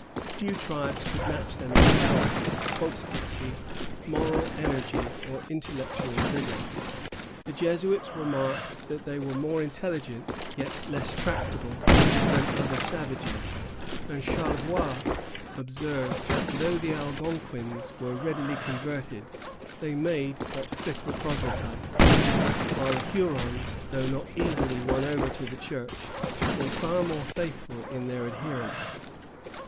Few tribes could match them in prowess, constancy, moral energy, or intellectual vigor. The Jesuits remarked that they were more intelligent, yet less tractable, than other savages; and Charlevoix observes that, though the Algonquins were readily converted, they made but fickle proselytes; while the Hurons, though not easily won over to the church, were far more faithful in their adherence.